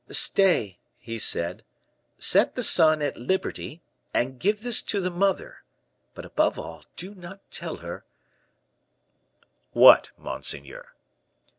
"Stay," he said; "set the son at liberty, and give this to the mother; but, above all, do not tell her " "What, monseigneur?"